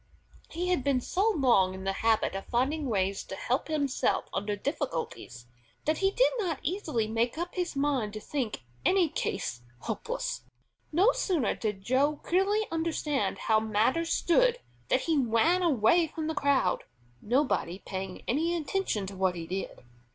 He had been so long in the habit of finding ways to help himself under difficulties, that he did not easily make up his mind to think any case hopeless. No sooner did Joe clearly understand how matters stood than he ran away from the crowd, nobody paying any attention to what he did.